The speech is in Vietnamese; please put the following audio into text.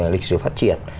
lịch sử phát triển